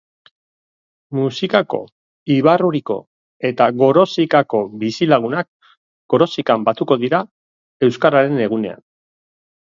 Muxikako, Ibarruriko eta Gorozikako bizilagunak Gorozikan batuko dira Euskararen Egunean.